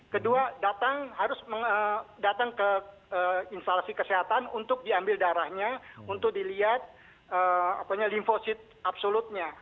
kedua datang harus datang ke instalasi kesehatan untuk diambil darahnya untuk dilihat limfosit absolutnya